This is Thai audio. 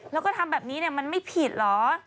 แล้วก็ทำแบบนี้มันไม่ผิดเหรอ